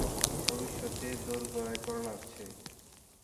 ভবিষ্যত দোরগোড়ায় কড়া নাড়ছে।